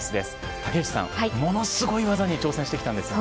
竹内さん、ものすごい技に挑戦してきたんですよね。